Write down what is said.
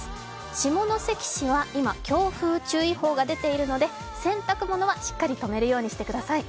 下関市は今、強風注意報が出ているので洗濯物はしっかり留めるようにしてください。